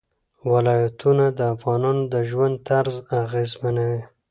ولایتونه د افغانانو د ژوند طرز اغېزمنوي.